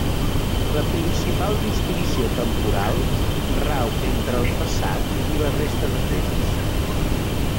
La principal distinció temporal rau entre el passat i la resta de temps.